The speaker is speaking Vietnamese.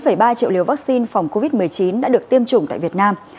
hơn bốn ba triệu liều vaccine phòng covid một mươi chín đã được tiêm chủng tại việt nam